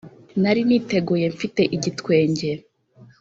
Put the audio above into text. Nari niteguye mfite igitwenge